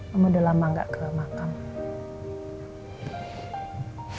kamu udah lama gak ke makam